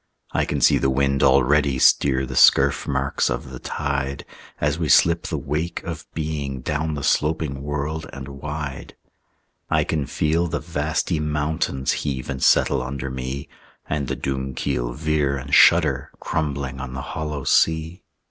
I can see the wind already Steer the scurf marks of the tide, As we slip the wake of being Down the sloping world and wide. I can feel the vasty mountains Heave and settle under me, And the Doomkeel veer and shudder, Crumbling on the hollow sea.